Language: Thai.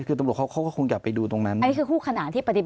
คือตำหรวดเขาก็ควรอยากไปดูตรงนั้น